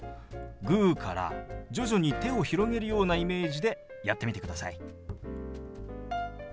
グーから徐々に手を広げるようなイメージでやってみてください。